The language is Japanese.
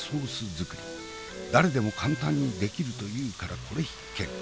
誰でも簡単にできるというからこれ必見。